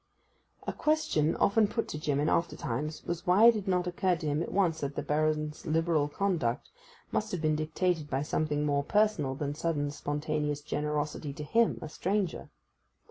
A question often put to Jim in after times was why it had not occurred to him at once that the Baron's liberal conduct must have been dictated by something more personal than sudden spontaneous generosity to him, a stranger.